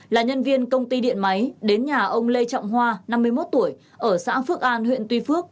là nhân viên công ty điện máy đến nhà ông lê trọng hoa năm mươi một tuổi ở xã phước an huyện tuy phước